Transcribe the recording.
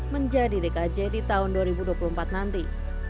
menjadi dkj di tahun dua ribu dua puluh empat nanti